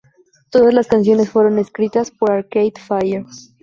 Todas las canciones fueron escritas por Arcade Fire.